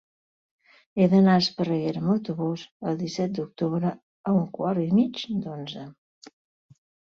He d'anar a Esparreguera amb autobús el disset d'octubre a un quart i mig d'onze.